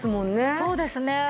そうですね。